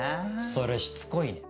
それしつこいね。